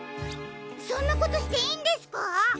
そんなことしていいんですか？